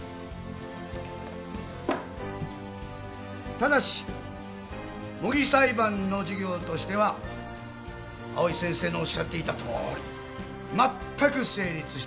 ただし模擬裁判の授業としては藍井先生のおっしゃっていたとおりまったく成立していません。